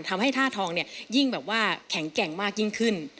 ทำให้ท่าทองเนี่ยยิ่งแบบว่าแข็งแกร่งมากยิ่งขึ้น